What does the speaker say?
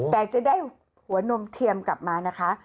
แต่จะได้หัวนมเทียมกลับมานะคะ